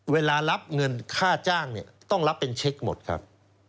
เวลารับเงินค่าจ้างเนี่ยต้องรับเป็นเช็คหมดครับ